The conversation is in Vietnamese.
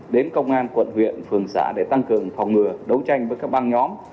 đến công an quận huyện phường xã để tăng cường phòng ngừa đấu tranh với các băng nhóm